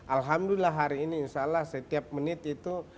alhamdulillah hari ini insya allah setiap menit itu